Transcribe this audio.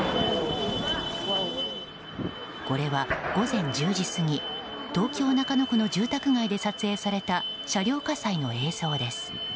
これは午前１０時過ぎ東京・中野区の住宅街で撮影された車両火災の映像です。